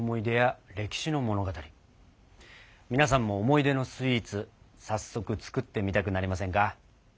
皆さんも思い出のスイーツ早速作ってみたくなりませんか？